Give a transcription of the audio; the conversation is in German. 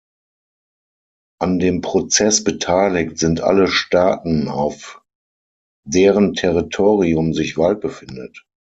An dem Prozess beteiligt sind alle Staaten, auf deren Territorium sich Wald befindet.